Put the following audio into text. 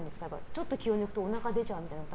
ちょっと気を抜くとおなか出ちゃうみたいな。